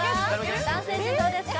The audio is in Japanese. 男性陣どうですか？